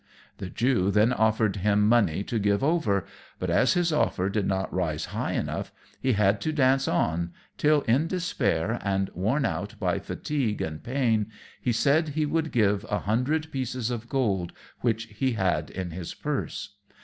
The Jew then offered him money to give over; but, as his offer did not rise high enough, he had to dance on till, in despair and worn out by fatigue and pain, he said he would give a hundred pieces of gold, which he had in his purse.